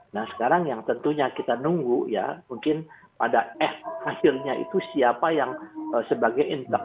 nah sekarang yang tentunya kita nunggu ya mungkin pada eh hasilnya itu siapa yang sebagai intervensi